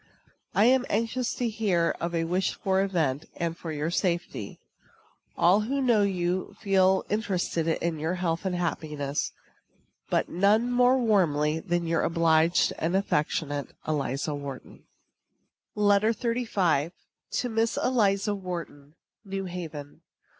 I am anxious to hear of a wished for event, and of your safety. All who know you feel interested in your health and happiness, but none more warmly than your obliged and affectionate ELIZA WHARTON. LETTER XXXV. TO MISS ELIZA WHARTON. NEW HAVEN.